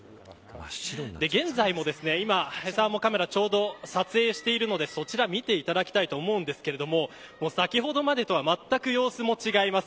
現在も今、サーモカメラちょうど撮影しているのでそちらを見ていただきたいと思うんですけれども先ほどとはまったく様子も違います。